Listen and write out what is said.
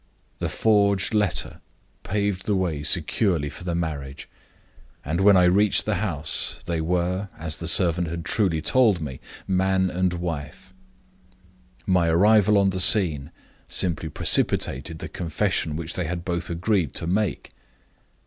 "The forged letter paved the way securely for the marriage; and when I reached the house, they were (as the servant had truly told me) man and wife. My arrival on the scene simply precipitated the confession which they had both agreed to make.